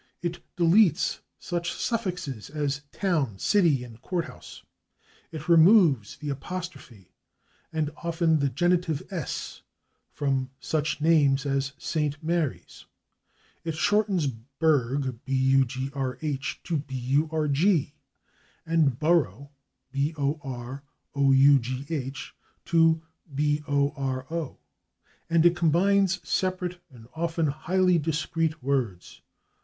It deletes such suffixes as /town/, /city/ and /courthouse/; it removes the apostrophe and often the genitive /s/ from such names as /St. Mary's/; it shortens /burgh/ to /burg/ and /borough/ to /boro/; and it combines separate and often highly discreet words.